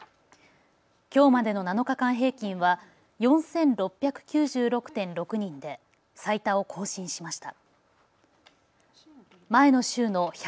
きょうまでの７日間平均は４６９６．６人で最多を更新しました。